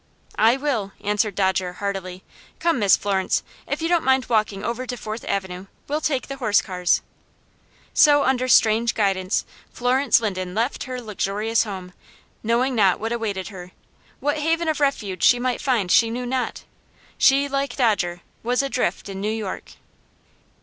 "I will," answered Dodger, heartily. "Come, Miss Florence, if you don't mind walking over to Fourth Avenue, we'll take the horse cars." So, under strange guidance, Florence Linden left her luxurious home, knowing not what awaited her. What haven of refuge she might find she knew not. She, like Dodger, was adrift in New York.